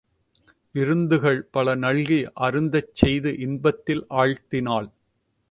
விருந்துகள் பல நல்கி அருந்தச் செய்து இன்பத்தில் ஆழ்த்தினாள்.